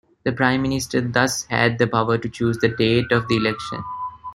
The Prime Minister thus had the power to choose the date of the election.